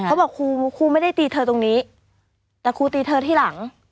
ครูบอกครูครูไม่ได้ตีเธอตรงนี้แต่ครูตีเธอที่หลัง